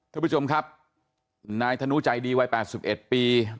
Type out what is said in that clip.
ทุกผู้ชมครับนายธนุใจดีวัยแปดสิบเอ็ดปี